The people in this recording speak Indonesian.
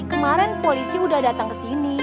kemaren polisi udah datang kesini